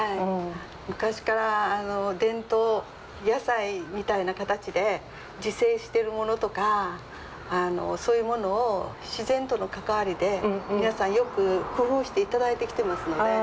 昔から伝統野菜みたいな形で自生してるものとかそういうものを自然との関わりで皆さんよく工夫して頂いてきてますので。